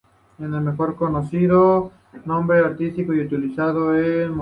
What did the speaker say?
Es mejor conocido por su nombre artístico y utilizado como músico y artista, Seltzer.